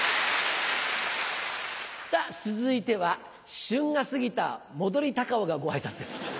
さぁ続いては旬が過ぎた戻りタカオがご挨拶です。